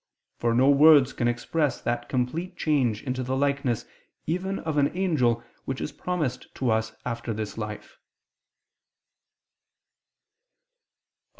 For no words can express that complete change into the likeness even of an angel, which is promised to us after this life."